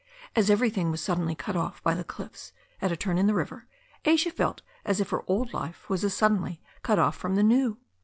As everything was suddenly cut off by the cliffs at a turn in the river, Asia felt as if her old life was as suddenly cut off from the new.